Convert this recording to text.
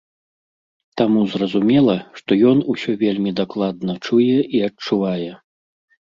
Таму зразумела, што ён усё вельмі дакладна чуе і адчувае.